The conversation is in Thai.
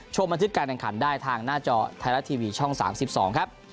สวัสดีครับ